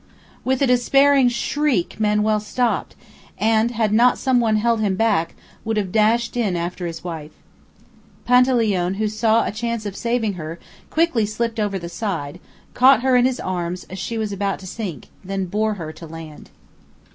With a despairing shriek Manuel stopped, and had not some one held him back, would have dashed in after his wife. Panteleone, who saw a chance of saving her, quickly slipped over the side, caught her in his aims as she was about to sink, then bore her to land.